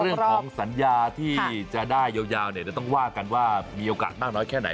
เรื่องของสัญญาที่จะได้ยาวเนี่ยจะต้องว่ากันว่ามีโอกาสมากน้อยแค่ไหน